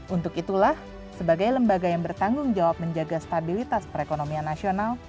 untuk itulah sebagai lembaga yang bertanggung jawab menjaga stabilitas perekonomian nasional